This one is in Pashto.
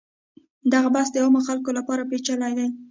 دغه بحث د عامو خلکو لپاره پیچلی دی.